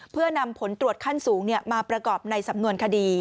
เพื่อนำผลตรวจขั้นสูงมาประกอบในสำนวนคดี